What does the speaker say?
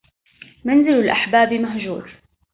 منزل الأحباب مهجور،